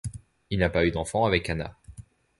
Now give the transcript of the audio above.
Il n'a pas eu d'enfants avec Ana.